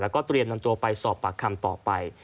และตรวจนนำตัวไปสอบปากคลำต่อไป